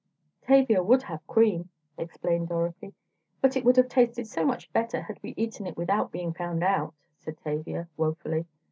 "Tavia would have cream," explained Dorothy. "But it would have tasted so much better had we eaten it without being found out," said Tavia, woefully.